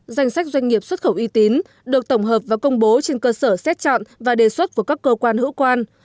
danh sách doanh nghiệp xuất khẩu uy tín được tổng hợp và công bố trên cơ sở xét chọn và đề xuất của các cơ quan hữu quan